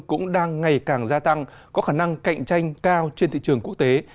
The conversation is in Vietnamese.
cũng đang ngày càng gia tăng có khả năng cạnh tranh cao trên thị trường quốc tế